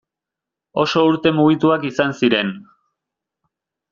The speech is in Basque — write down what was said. Oso urte mugituak izan ziren.